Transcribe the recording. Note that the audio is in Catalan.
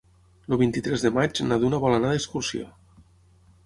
El vint-i-tres de maig na Duna vol anar d'excursió.